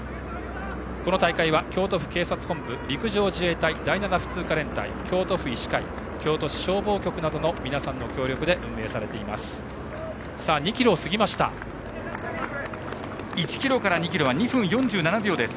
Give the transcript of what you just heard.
この大会は、京都府警察本部陸上自衛隊第７普通科連隊京都府医師会京都市消防局などの皆さんの協力で運営されています。